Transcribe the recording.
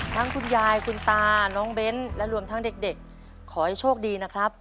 คุณยายคุณตาน้องเบ้นและรวมทั้งเด็กขอให้โชคดีนะครับ